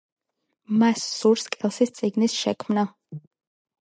მას სურს კელსის წიგნის შექმნა.